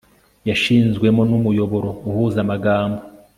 Yashizwemo numuyoboro uhuza amagambo